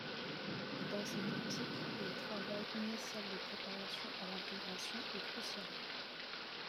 Dans cette optique, le travail initial de préparation à l’intégration est crucial.